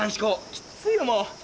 きついよもう。